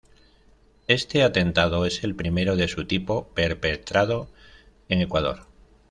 Este atentado es el primero de su tipo perpetrado en Ecuador.